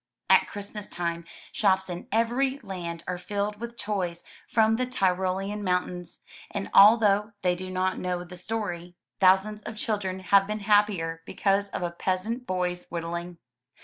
At Christmas time shops in every land are filled with toys from the Tyrolean mountains, and although they do not know the story, thousands of children have been happier because of a peasant boy's whittling.